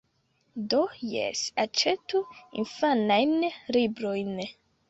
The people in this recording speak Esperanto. Do, jes. Aĉetu infanajn librojn.